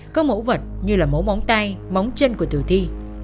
các mẫu vết có tên là tay móng chân của tử thi